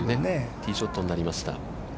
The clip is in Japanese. ティーショットになりました。